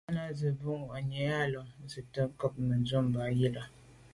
Náná à’sə̌’ mbu’ŋwà’nǐ á lǒ’ nzi’tə ncob Mə̀dʉ̂mbὰ yi lα.